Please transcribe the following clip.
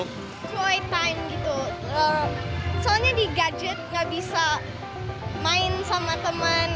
ketika itu soalnya di gadget nggak bisa main sama teman